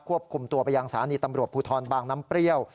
คุมตัวไปยังสถานีตำรวจภูทรบางน้ำเปรี้ยว